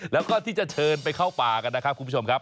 แล้วก็ที่จะเชิญไปเข้าป่ากันนะครับคุณผู้ชมครับ